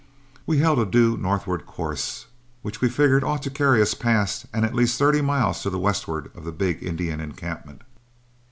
We held a due northward course, which we figured ought to carry us past and at least thirty miles to the westward of the big Indian encampment.